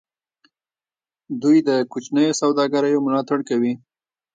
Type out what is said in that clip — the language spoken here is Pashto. دوی د کوچنیو سوداګریو ملاتړ کوي.